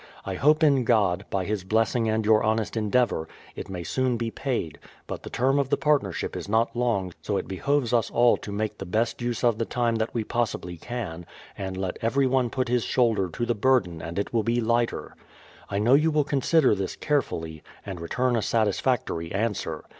I hope in God, by His blessing and your honest endeavour, it may soon be paid; but the term of the partnership is not long, so it behoves us all to make the best use of the time that we possibly can, and let every one put his shoulder to the burden and it will be lighter. THE PLYMOUTH SETTLEIVIENT 209 I know you will consider this carefully, and return a satisfactory answer.